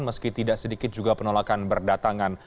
meski tidak sedikit juga penolakan berdatangan